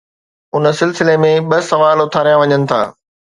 ان سلسلي ۾ ٻه سوال اٿاريا وڃن ٿا.